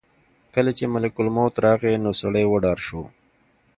کله چې ملک الموت راغی نو سړی وډار شو.